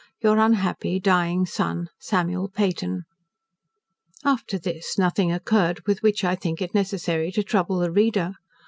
"Your unhappy dying Son, "SAMUEL PEYTON." After this nothing occurred with which I think it necessary to trouble the reader.